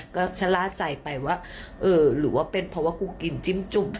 ก็ชะล่าใจไปว่าเออหรือว่าเป็นเพราะว่ากูกินจิ้มจุ่ม